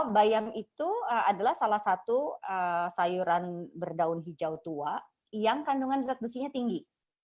bayam itu adalah salah satu sayuran berdaun hijau tua yang kandungan zat besinya tinggi